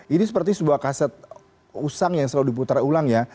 ini seperti sebuah kaset usang yang selalu diputar ulang ya